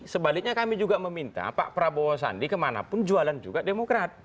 sebaliknya kami juga meminta pak prabowo sandi kemanapun jualan juga demokrat